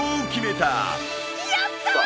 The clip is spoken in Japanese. やったー！